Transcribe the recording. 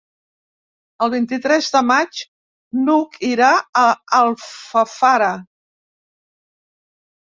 El vint-i-tres de maig n'Hug irà a Alfafara.